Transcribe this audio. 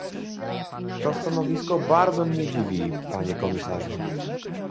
To stanowisko bardzo mnie dziwi, panie komisarzu